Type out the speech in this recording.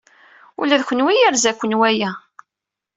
Ula d kenwi yerza-ken waya.